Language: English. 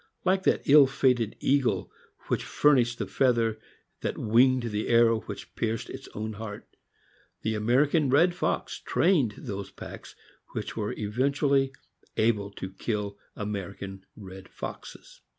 Like that ill fated eagle which furnished the feather that winged the arrow which pierced his own heart, the American red fox trained those packs which were, eventually, able to kill American red foxes.